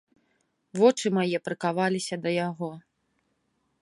Вочы мае прыкаваліся да яго.